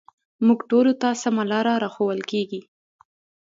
موږ ټولو ته سمه لاره راښوول کېږي